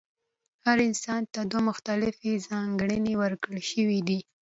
هر انسان ته دوه مختلفې ځانګړنې ورکړل شوې دي.